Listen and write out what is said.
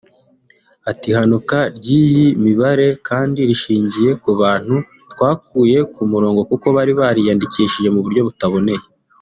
Ati “ Ihanuka ry’iyi mibare kandi rishingiye ku bantu twakuye ku murongo kuko bari bariyandikishije mu buryo butaboneye